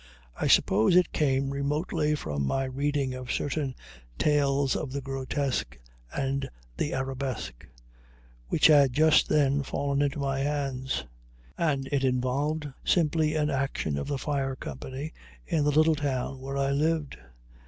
I suppose it came remotely from my reading of certain "Tales of the Grotesque and the Arabesque," which had just then fallen into my hands; and it involved simply an action of the fire company in the little town where I lived.